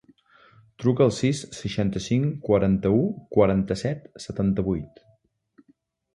Truca al sis, seixanta-cinc, quaranta-u, quaranta-set, setanta-vuit.